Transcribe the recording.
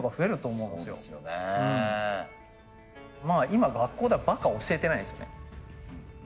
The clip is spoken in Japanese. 今学校ではばか教えてないんですよね。